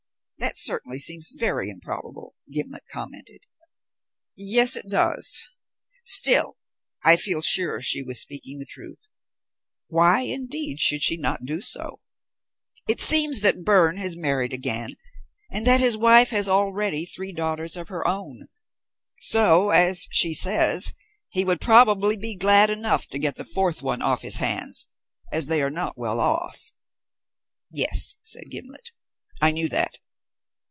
"That certainly seems very improbable," Gimblet commented. "Yes, it does. Still, I feel sure she was speaking the truth. Why, indeed, should she not do so? It seems that Byrne has married again, and that his wife has already three daughters of her own; so, as she says, he would probably be glad enough to get the fourth one off his hands, as they are not well off." "Yes," said Gimblet. "I knew that.